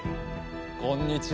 こんにちは